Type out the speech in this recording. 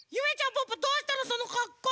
ポッポどうしたのそのかっこう？